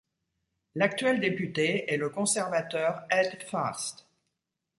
L'actuel député est le conservateur Ed Fast.